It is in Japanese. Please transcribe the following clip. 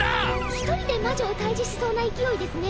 一人で魔女を退治しそうな勢いですね。